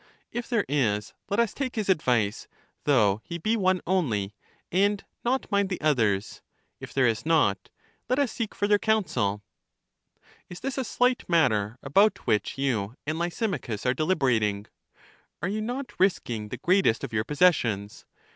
If there is, let us take his advice, though he be one only, and not mind the oth ers; if there is not, let us seek further counsel. Is this a slight matter about which you and Lysimachus are deliberating? Are you not risking the greatest of your possessions?